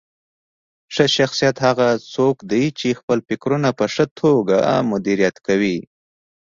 ښه شخصیت هغه څوک دی چې خپل فکرونه په ښه توګه مدیریت کوي.